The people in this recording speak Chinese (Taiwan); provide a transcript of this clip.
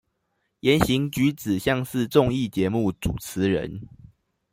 言行舉止像是綜藝節目主持人